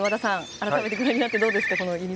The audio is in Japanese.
改めてご覧になっていかがですか？